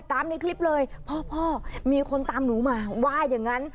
ในคลิปเลยพ่อพ่อมีคนตามหนูมาว่าอย่างนั้น